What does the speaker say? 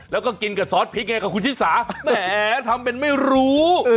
แล้วก็กินกับซอสพริกไงกับคุณชิสาแหมทำเป็นไม่รู้